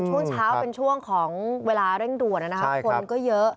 ช่วงเช้าเป็นช่วงของเวลาเร่งด่วนนะครับคนก็เยอะ